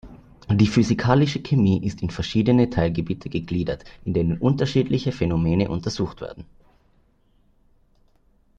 Die physikalische Chemie ist in verschiedene Teilgebiete gegliedert, in denen unterschiedliche Phänomene untersucht werden.